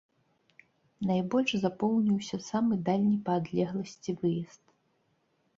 Найбольш запоўніўся самы дальні па адлегласці выезд.